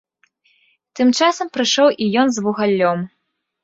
Тым часам прыйшоў і ён з вугаллем.